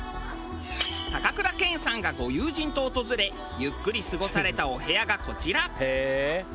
高倉健さんがご友人と訪れゆっくり過ごされたお部屋がこちら。